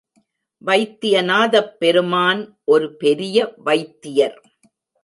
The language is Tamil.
வைத்தியநாதப் பெருமான் ஒரு பெரிய வைத்தியர்.